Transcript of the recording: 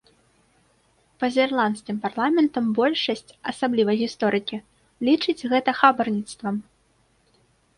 Па-за ірландскім парламентам большасць, асабліва гісторыкі, лічыць гэта хабарніцтвам.